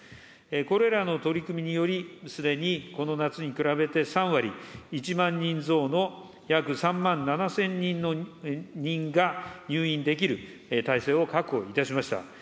これらの取り組みにより、すでに、この夏に比べて３割、１万人増の約３万７０００人が入院できる体制を確保いたしました。